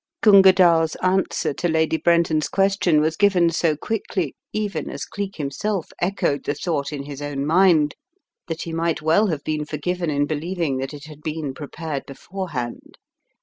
Gunga DalTs answer to Lady Brenton's question was given so quickly, even as Cleek himself echoed the thought in his own mind, that he might well have been forgiven in believing that it had been prepared beforehand.